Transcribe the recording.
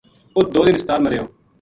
اُت دو دن ہسپتال ما رہیو